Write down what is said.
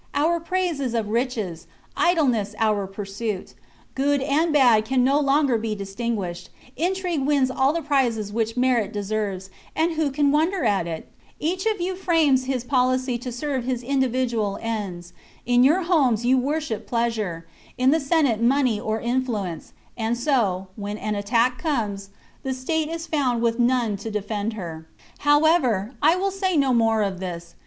Our praise is of riches; idleness our pursuit. Good and bad can no longer be distinguished ; intrigue wins all the prizes which merit deserves, and who can wonder at it } Each of you frames his policy to serve his individual ends ; in your homes you worship plea sure, in the Senate money or influence ; and so, when an attack comes, the state is found with none to defend her. " However, I will say no more of this.